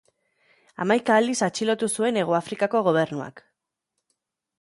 Hamaika aldiz atxilotu zuen Hego Afrikako Gobernuak.